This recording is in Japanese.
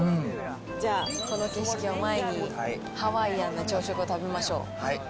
じゃあ、この景色を前に、ハワイアンの朝食を食べましょう。